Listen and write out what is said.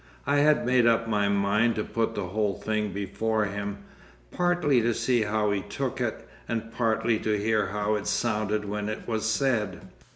I had made up my mind to put the whole thing before him, partly to see how he took it, and partly to hear how it sounded when it was said.